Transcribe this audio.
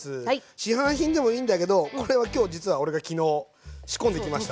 市販品でもいいんだけどこれは今日実は俺が昨日仕込んできました。